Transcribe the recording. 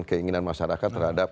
keinginan masyarakat terhadap